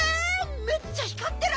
めっちゃひかってる！